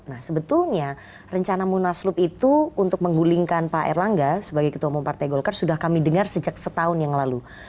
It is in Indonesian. nah sebetulnya rencana munaslup itu untuk menggulingkan pak erlangga sebagai ketua umum partai golkar sudah kami dengar sejak setahun yang lalu